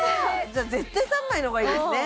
じゃあ絶対３枚の方がいいですね